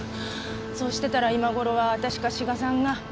そうしてたら今頃は私か志賀さんが。